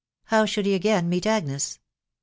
How should he again meet Agnes ?